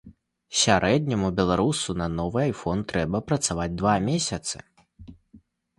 Сярэдняму беларусу на новы айфон трэба працаваць два месяцы.